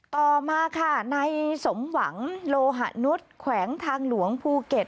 ต่อมาค่ะในสมหวังโลหะนุษย์แขวงทางหลวงภูเก็ต